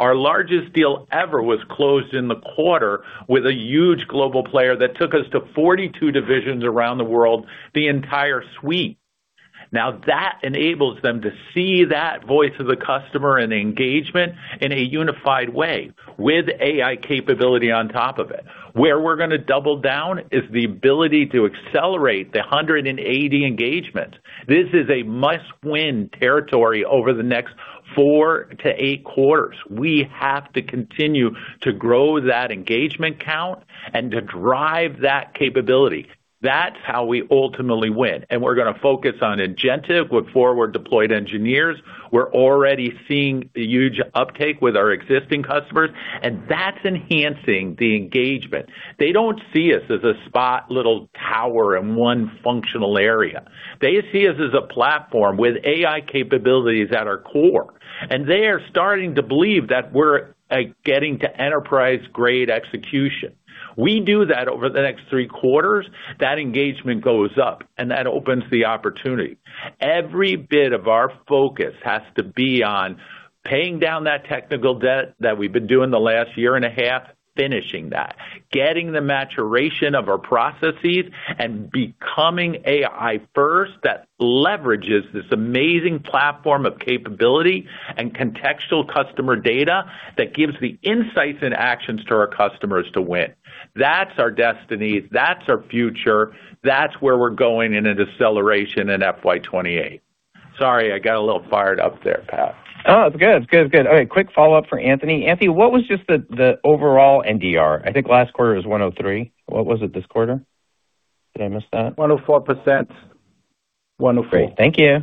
our largest deal ever was closed in the quarter with a huge global player that took us to 42 divisions around the world, the entire suite. That enables them to see that voice of the customer and engagement in a unified way with AI capability on top of it. Where we're going to double down is the ability to accelerate the 180 engagement. This is a must-win territory over the next 4-8 quarters. We have to continue to grow that engagement count and to drive that capability. That's how we ultimately win, and we're going to focus on agentic with forward-deployed engineers. We're already seeing a huge uptake with our existing customers, and that's enhancing the engagement. They don't see us as a spot little tower in one functional area. They see us as a platform with AI capabilities at our core, and they are starting to believe that we're getting to enterprise-grade execution. We do that over the next three quarters, that engagement goes up, and that opens the opportunity. Every bit of our focus has to be on paying down that technical debt that we've been doing the last year and a half, finishing that. Getting the maturation of our processes and becoming AI first, that leverages this amazing platform of capability and contextual customer data that gives the insights and actions to our customers to win. That's our destiny, that's our future, that's where we're going in an acceleration in FY 2028. Sorry, I got a little fired up there, Pat. Oh, it's good. Okay. Quick follow-up for Anthony. Anthony, what was just the overall NDR? I think last quarter was 103%. What was it this quarter? Did I miss that? 104%. 104. Great. Thank you.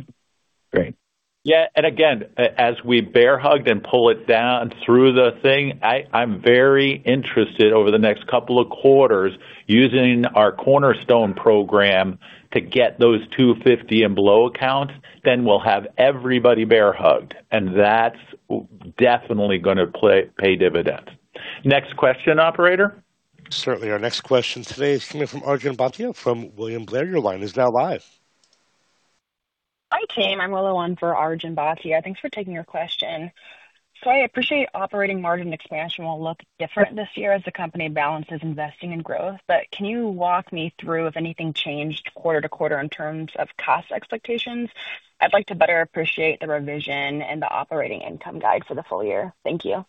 Great. Yeah. Again, as we bear hug and pull it down through the thing, I'm very interested over the next couple of quarters using our Cornerstone program to get those 250 and below accounts, then we'll have everybody bear-hugged, and that's definitely going to pay dividends. Next question, operator. Certainly. Our next question today is coming from Arjun Bhatia from William Blair. Your line is now live. Hi, team. I'm Willow on for Arjun Bhatia. Thanks for taking your question. I appreciate operating margin expansion will look different this year as the company balances investing and growth. Can you walk me through if anything changed quarter-to-quarter in terms of cost expectations? I'd like to better appreciate the revision and the operating income guide for the full year. Thank you.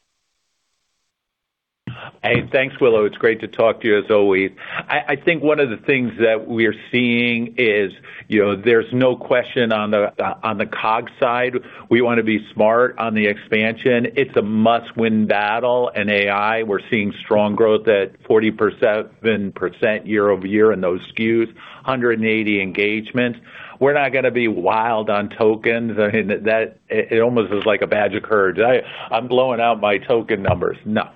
Hey, thanks, Willow. It's great to talk to you as always. I think one of the things that we're seeing is there's no question on the COGS side, we want to be smart on the expansion. It's a must-win battle in AI. We're seeing strong growth at 47% year-over-year in those SKUs, 180 engagements. We're not going to be wild on tokens. It almost is like a badge of courage. "I'm blowing out my token numbers." No.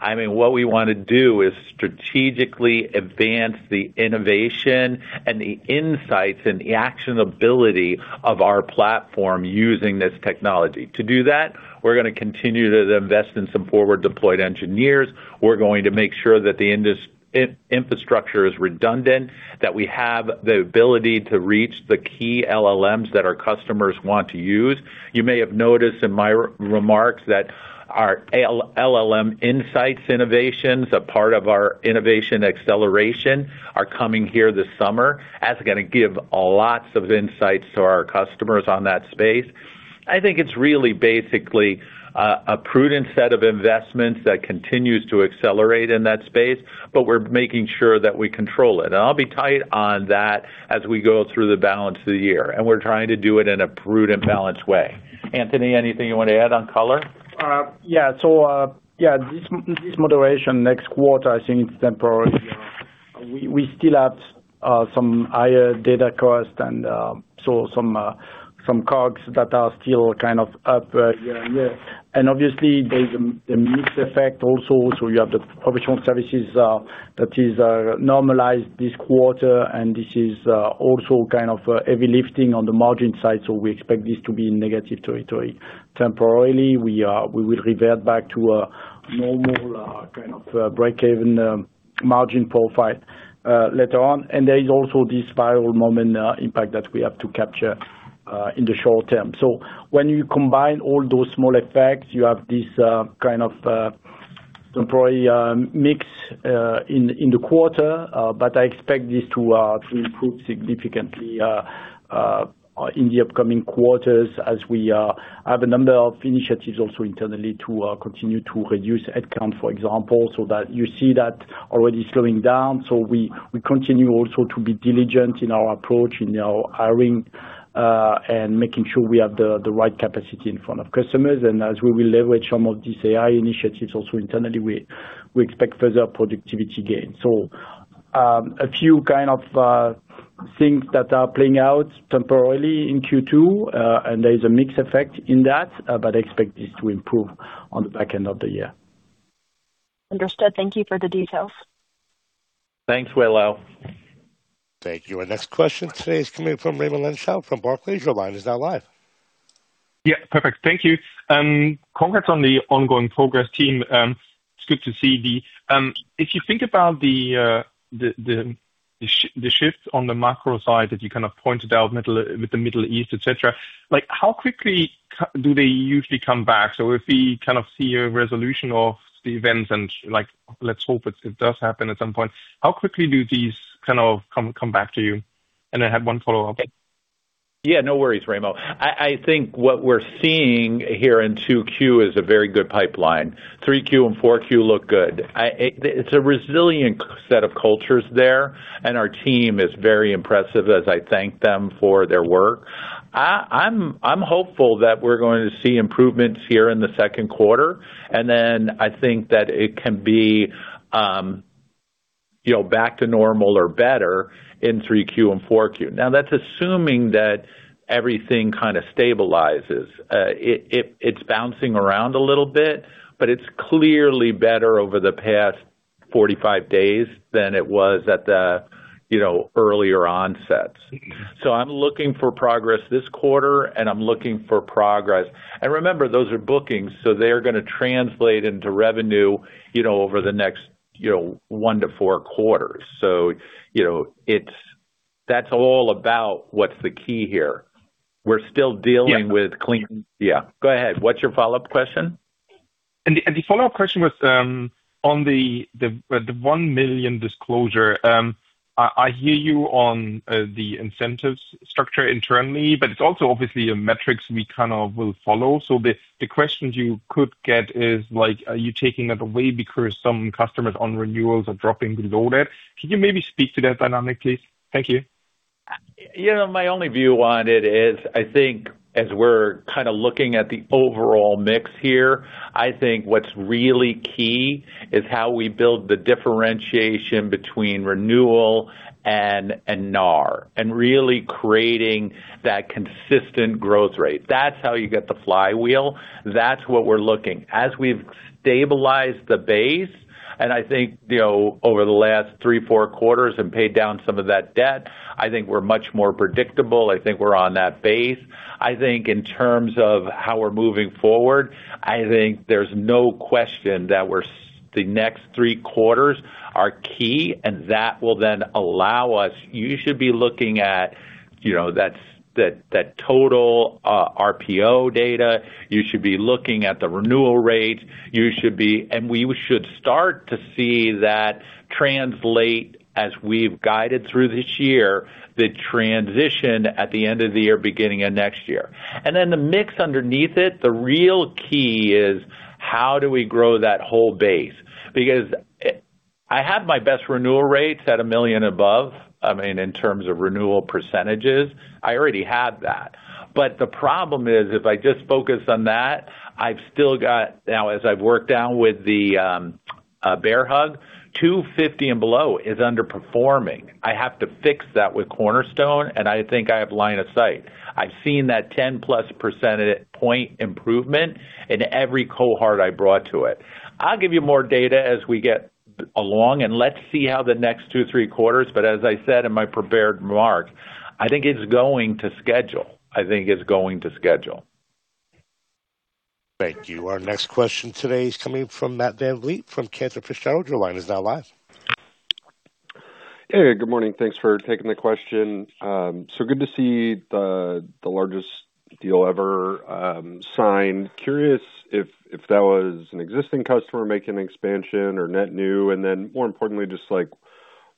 What we want to do is strategically advance the innovation and the insights and the actionability of our platform using this technology. To do that, we're going to continue to invest in some forward-deployed engineers. We're going to make sure that the infrastructure is redundant, that we have the ability to reach the key LLMs that our customers want to use. You may have noticed in my remarks that our LLM Insights innovations, a part of our innovation acceleration, are coming here this summer. That's going to give lots of insights to our customers on that space. I think it's really basically a prudent set of investments that continues to accelerate in that space, but we're making sure that we control it. I'll be tight on that as we go through the balance of the year, and we're trying to do it in a prudent, balanced way. Anthony, anything you want to add on color? Yeah. This moderation next quarter, I think it's temporary. We still have some higher data costs and some COGS that are still kind of up year-over-year. Obviously, there's a mix effect also. You have the professional services that is normalized this quarter, and this is also kind of heavy lifting on the margin side. We expect this to be negative territory temporarily. We will revert back to a normal kind of breakeven margin profile later on. There is also this ViralMoment impact that we have to capture in the short term. When you combine all those small effects, you have this kind of temporary mix in the quarter. I expect this to improve significantly in the upcoming quarters as we have a number of initiatives also internally to continue to reduce headcount, for example, so that you see that already slowing down. We continue also to be diligent in our approach, in our hiring, and making sure we have the right capacity in front of customers. As we will leverage some of these AI initiatives also internally, we expect further productivity gains. A few kind of things that are playing out temporarily in Q2, and there's a mix effect in that, but I expect this to improve on the back end of the year. Understood. Thank you for the details. Thanks, Willow. Thank you. Our next question today is coming from Raimo Lenschow from Barclays. Your line is now live. Yeah, perfect. Thank you. Congrats on the ongoing progress, team. If you think about the shift on the macro side that you kind of pointed out with the Middle East, et cetera, how quickly do they usually come back? If we kind of see a resolution of the events and let's hope it does happen at some point, how quickly do these kind of come back to you? I had one follow-up. No worries, Raimo. I think what we're seeing here in 2Q is a very good pipeline. 3Q and 4Q look good. It's a resilient set of cultures there, and our team is very impressive as I thank them for their work. I'm hopeful that we're going to see improvements here in the second quarter, and then I think that it can be back to normal or better in 3Q and 4Q. That's assuming that everything kind of stabilizes. It's bouncing around a little bit, but it's clearly better over the past 45 days than it was at the earlier onsets. I'm looking for progress this quarter, and I'm looking for progress. Remember, those are bookings, so they're going to translate into revenue over the next 1-4 quarters. That's all about what's the key here. We're still dealing. Yeah Yeah, go ahead. What's your follow-up question? The follow-up question was on the $1 million disclosure. I hear you on the incentives structure internally, but it's also obviously a metrics we kind of will follow. The questions you could get is, are you taking it away because some customers on renewals are dropping below that? Can you maybe speak to that dynamic, please? Thank you. My only view on it is, I think as we're kind of looking at the overall mix here, I think what's really key is how we build the differentiation between renewal and NAR, and really creating that consistent growth rate. That's how you get the flywheel. That's what we're looking. As we've stabilized the base, and I think over the last three, four quarters and paid down some of that debt, I think we're much more predictable. I think we're on that base. I think in terms of how we're moving forward, I think there's no question that the next three quarters are key. You should be looking at that total RPO data. You should be looking at the renewal rate. We should start to see that translate as we've guided through this year, the transition at the end of the year, beginning of next year. The mix underneath it, the real key is how do we grow that whole base? Because I have my best renewal rates at $1 million above, I mean, in terms of renewal percentages. I already have that. The problem is, if I just focus on that, I've still got Now, as I've worked down with Project Bear Hug, 250 and below is underperforming. I have to fix that with Cornerstone, and I think I have line of sight. I've seen that 10+ percentage point improvement in every cohort I brought to it. I'll give you more data as we get along, and let's see how the next two, three quarters. As I said in my prepared remarks, I think it's going to schedule. Thank you. Our next question today is coming from Matt VanVliet from Cantor Fitzgerald. Your line is now live. Hey, good morning. Thanks for taking the question. Good to see the largest deal ever signed. Curious if that was an existing customer making an expansion or net new, more importantly, just like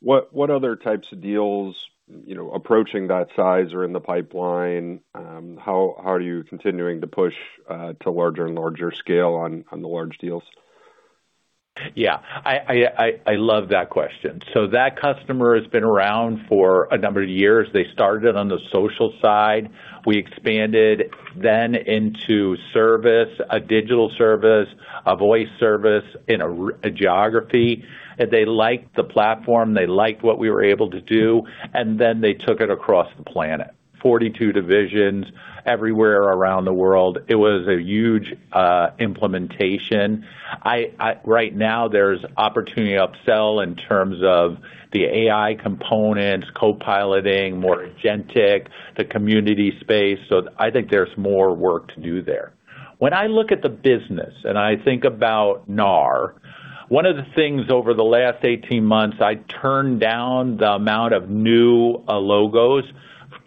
what other types of deals approaching that size are in the pipeline? How are you continuing to push to larger and larger scale on the large deals? Yeah. I love that question. That customer has been around for a number of years. They started on the social side. We expanded then into service, a digital service, a voice service in a geography. They liked the platform. They liked what we were able to do, and then they took it across the planet. 42 divisions everywhere around the world. It was a huge implementation. Right now, there's opportunity upsell in terms of the AI components, co-piloting, more agentic, the community space. I think there's more work to do there. When I look at the business and I think about NAR, one of the things over the last 18 months, I turned down the amount of new logos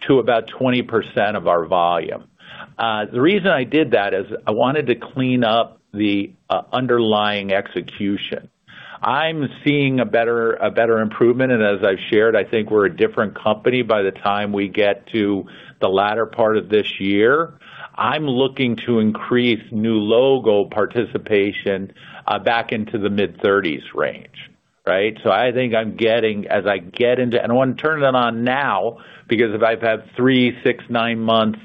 to about 20% of our volume. The reason I did that is I wanted to clean up the underlying execution. I'm seeing a better improvement, and as I've shared, I think we're a different company by the time we get to the latter part of this year. I'm looking to increase new logo participation back into the mid-30s range, right? I think I'm getting. I want to turn it on now, because if I've had three, six, nine-month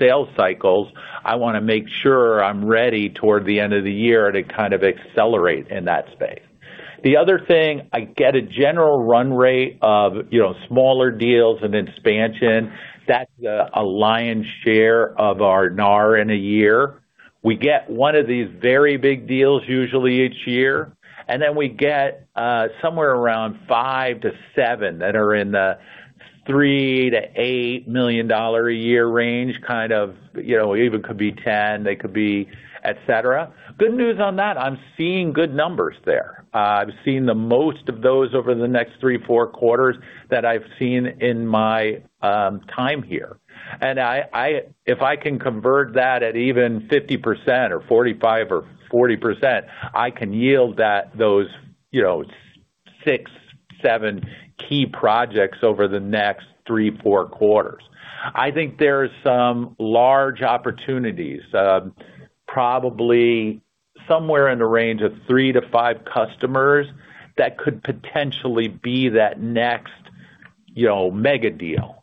sales cycles, I want to make sure I'm ready toward the end of the year to kind of accelerate in that space. The other thing, I get a general run rate of smaller deals and expansion. That's a lion's share of our NAR in a year. We get one of these very big deals usually each year. Then we get somewhere around 5-7 that are in the $3 million-$8 million a year range, kind of, even could be 10, they could be et cetera. Good news on that. I am seeing good numbers there. I am seeing the most of those over the next three, four quarters that I have seen in my time here. If I can convert that at even 50% or 45% or 40%, I can yield those six, seven key projects over the next three, four quarters. I think there is some large opportunities, probably somewhere in the range of 3-5 customers that could potentially be that next mega deal.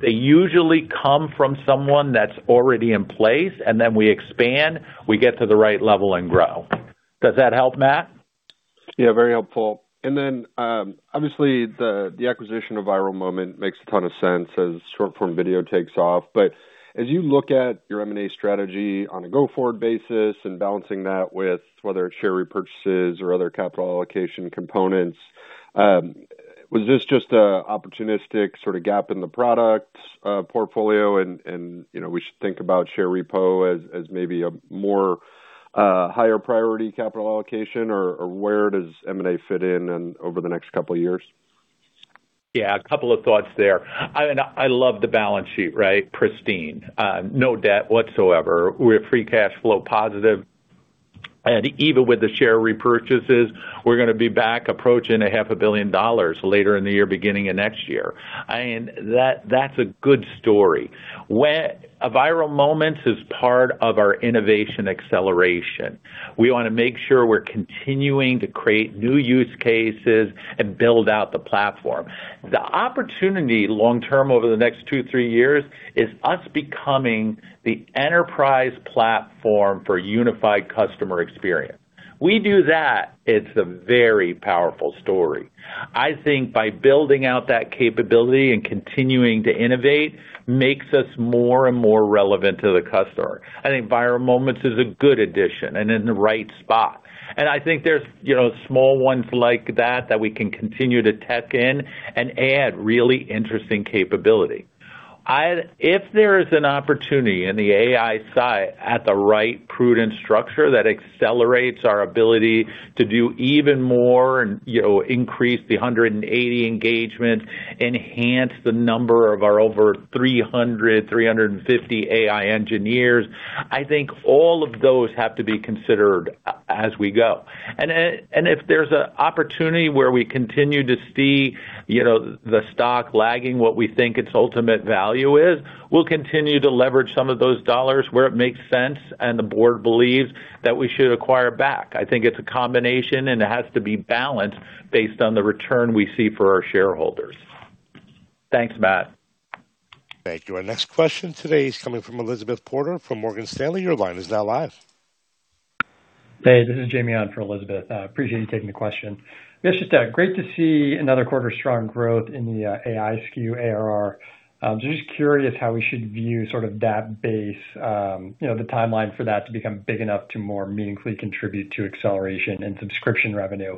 They usually come from someone that is already in place, and then we expand, we get to the right level, and grow. Does that help, Matt? Yeah, very helpful. Then, obviously the acquisition of ViralMoment makes a ton of sense as short-form video takes off. As you look at your M&A strategy on a go-forward basis and balancing that with whether it's share repurchases or other capital allocation components. Was this just an opportunistic sort of gap in the product portfolio and we should think about share repo as maybe a more higher priority capital allocation? Where does M&A fit in over the next couple of years? Yeah, a couple of thoughts there. I love the balance sheet, right? Pristine. No debt whatsoever. We're free cash flow positive. Even with the share repurchases, we're going to be back approaching a half a billion dollars later in the year, beginning of next year. That's a good story. ViralMoment is part of our innovation acceleration. We want to make sure we're continuing to create new use cases and build out the platform. The opportunity long-term over the next two, three years, is us becoming the enterprise platform for unified customer experience. We do that, it's a very powerful story. I think by building out that capability and continuing to innovate makes us more and more relevant to the customer. I think ViralMoment is a good addition and in the right spot. I think there's small ones like that that we can continue to tuck in and add really interesting capability. If there is an opportunity in the AI side at the right prudent structure that accelerates our ability to do even more and increase the 180 engagements, enhance the number of our over 300, 350 AI engineers, I think all of those have to be considered as we go. If there's an opportunity where we continue to see the stock lagging what we think its ultimate value is, we'll continue to leverage some of those dollars where it makes sense and the board believes that we should acquire back. I think it's a combination, and it has to be balanced based on the return we see for our shareholders. Thanks, Matt. Thank you. Our next question today is coming from Elizabeth Porter from Morgan Stanley. Your line is now live. Hey, this is Jamie on for Elizabeth. Appreciate you taking the question. Vish, it's great to see another quarter strong growth in the AI SKUs ARR. Just curious how we should view sort of that base, the timeline for that to become big enough to more meaningfully contribute to acceleration and subscription revenue.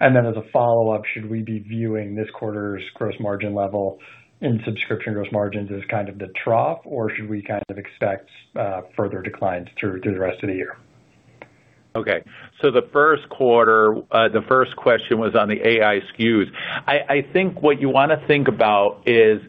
As a follow-up, should we be viewing this quarter's gross margin level in subscription gross margins as kind of the trough, or should we kind of expect further declines through the rest of the year? Okay. The first question was on the AI SKUs. I think what you want to think about is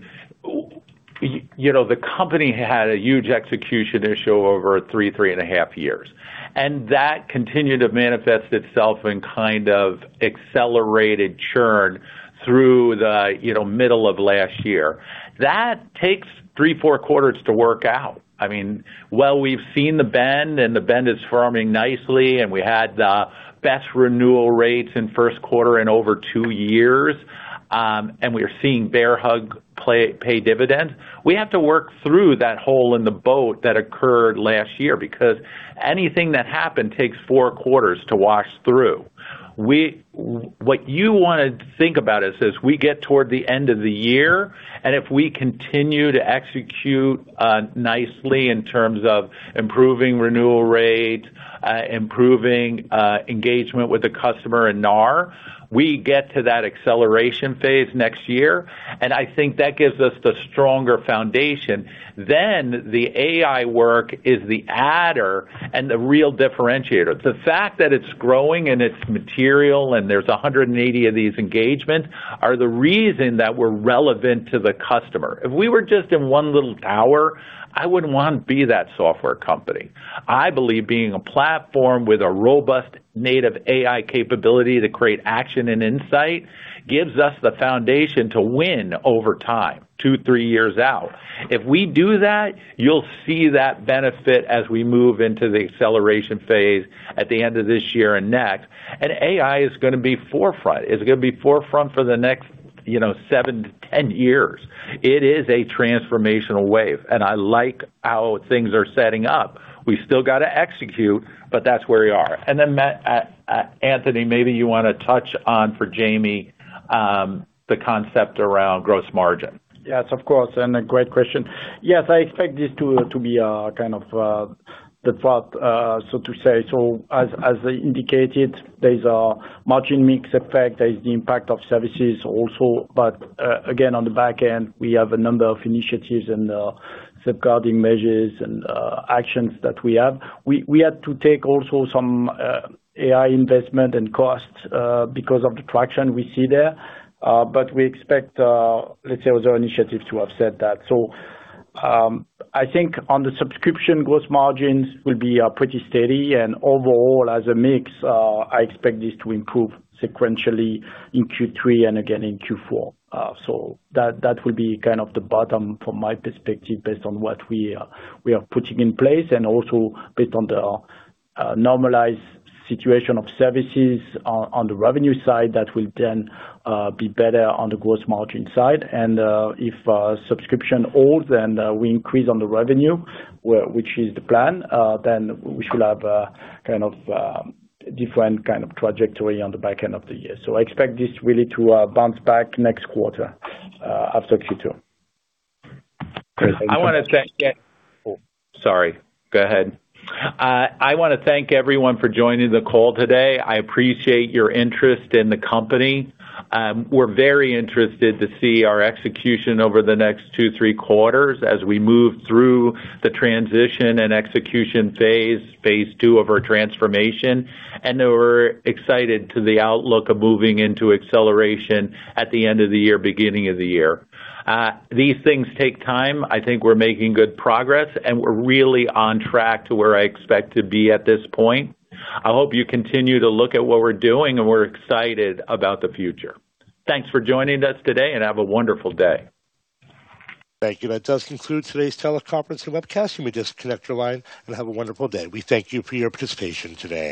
the company had a huge execution issue over three and a half years, and that continued to manifest itself in kind of accelerated churn through the middle of last year. That takes three, four quarters to work out. While we've seen the bend, and the bend is firming nicely, and we had the best renewal rates in first quarter in over two years, and we are seeing Bear Hug pay dividends, we have to work through that hole in the boat that occurred last year because anything that happened takes four quarters to wash through. What you want to think about is, as we get toward the end of the year, and if we continue to execute nicely in terms of improving renewal rates, improving engagement with the customer in NAR, we get to that acceleration phase next year, and I think that gives us the stronger foundation. The AI work is the adder and the real differentiator. The fact that it's growing and it's material and there's 180 of these engagements are the reason that we're relevant to the customer. If we were just in one little tower, I wouldn't want to be that software company. I believe being a platform with a robust native AI capability to create action and insight gives us the foundation to win over time, two, three years out. If we do that, you'll see that benefit as we move into the acceleration phase at the end of this year and next, and AI is going to be forefront. It's going to be forefront for the next seven to 10 years. It is a transformational wave. I like how things are setting up. We still got to execute. That's where we are. Anthony, maybe you want to touch on for Jamie, the concept around gross margin. Yes, of course, and a great question. Yes, I expect this to be kind of the thought, so to say. As indicated, there is a margin mix effect, there is the impact of services also, but again, on the back end, we have a number of initiatives and safeguarding measures and actions that we have. We had to take also some AI investment and costs because of the traction we see there. We expect, let's say, other initiatives to offset that. I think on the subscription, gross margins will be pretty steady and overall as a mix, I expect this to improve sequentially in Q3 and again in Q4. That will be kind of the bottom from my perspective, based on what we are putting in place and also based on the normalized situation of services on the revenue side that will then be better on the gross margin side. If subscription holds and we increase on the revenue, which is the plan, then we should have a different kind of trajectory on the back end of the year. I expect this really to bounce back next quarter of 2022. Sorry, go ahead. I want to thank everyone for joining the call today. I appreciate your interest in the company. We're very interested to see our execution over the next two, three quarters as we move through the transition and execution phase two of our transformation. We're excited to the outlook of moving into acceleration at the end of the year, beginning of the year. These things take time. I think we're making good progress, and we're really on track to where I expect to be at this point. I hope you continue to look at what we're doing, and we're excited about the future. Thanks for joining us today, and have a wonderful day. Thank you. That does conclude today's teleconference and webcast. You may disconnect your line and have a wonderful day. We thank you for your participation today.